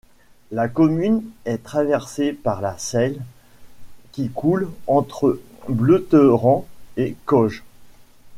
La commune est traversée par la Seille, qui coule entre Bletterans et Cosges.